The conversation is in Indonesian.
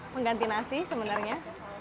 mengganti nasi sebenarnya